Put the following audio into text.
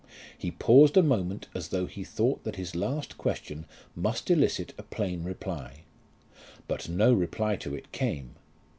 He paused a moment as though he thought that his last question must elicit a plain reply. But no reply to it came.